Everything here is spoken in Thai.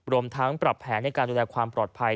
รวมทั้งปรับแผนในการดูแลความปลอดภัย